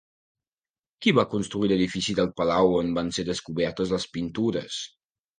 Qui va construir l'edifici del palau on van ser descobertes les pintures?